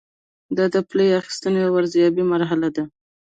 دا د پایلې اخیستنې او ارزیابۍ مرحله ده.